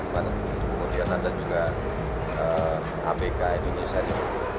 kemudian ada juga abk indonesia di situ